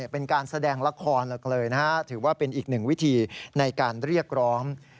เป็นการแสดงละครเลยนะฮะถือว่าเป็นอีกหนึ่งวิธีในการเรียกร้อง